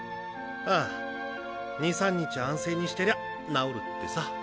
ああ２３日安静にしてりゃ治るってさ。